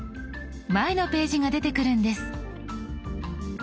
前のページが出てくるんです。